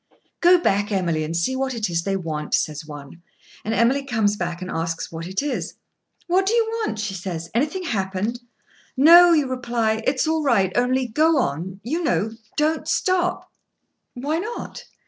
"Go back, Emily, and see what it is they want," says one; and Emily comes back, and asks what it is. "What do you want?" she says; "anything happened?" "No," you reply, "it's all right; only go on, you know—don't stop." "Why not?"